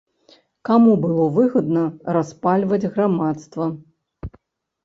Каму было выгадна распальваць грамадства?